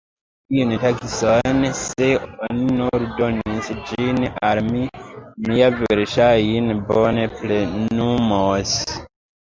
Tiun taskon, se oni nur donos ĝin al mi, mi ja verŝajne bone plenumos!